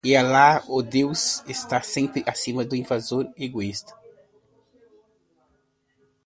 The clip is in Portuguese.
E Alá, ou Deus, está sempre acima do invasor egoísta